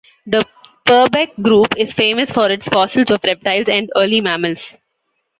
The Purbeck Group is famous for its fossils of reptiles and early mammals.